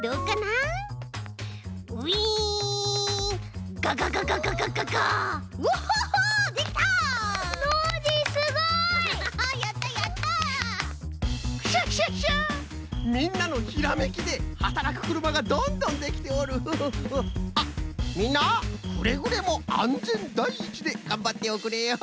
あっみんなくれぐれもあんぜんだいいちでがんばっておくれよ。